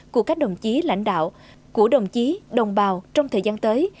của các đồng chí lãnh đạo của đồng chí đồng bào trong thời gian tới